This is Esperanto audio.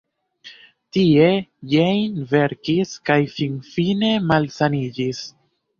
Tie Jane verkis kaj finfine malsaniĝis.